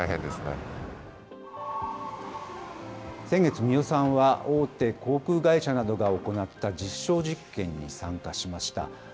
先月、三代さんは、大手航空会社などが行った実証実験に参加しました。